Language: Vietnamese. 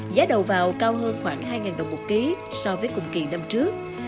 giá đầu vào cao hơn khoảng hai đồng một ký so với cùng kỳ năm trước